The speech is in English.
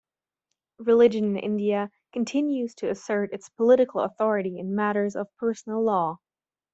Religion in India continues to assert its political authority in matters of personal law.